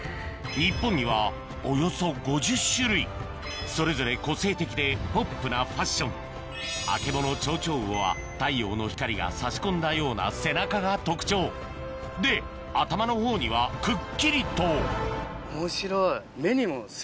日本にはおよそ５０種類それぞれ個性的でポップなファッションアケボノチョウチョウウオは太陽の光が差し込んだような背中が特徴で頭のほうにはくっきりと面白い。